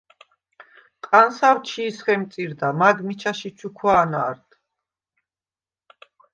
ყანსავ ჩი̄ს ხემწირდა, მაგ მიჩა შიჩუქვა̄ნ ა̄რდ.